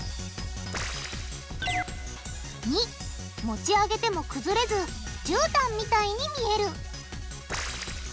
②持ち上げてもくずれずじゅうたんみたいに見える。